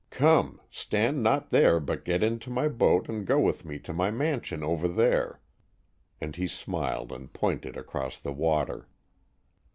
Come, stand not there but get into my boat and go with me to my mansion over there," and he smiled and pointed across the water.